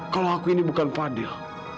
kalau aku ini bukan fadil